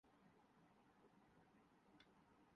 white House میں امریکی صدر کا پرتگالین ہم منصب کے ساتھ مذاق